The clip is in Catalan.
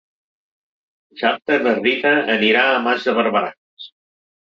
Dissabte na Rita anirà a Mas de Barberans.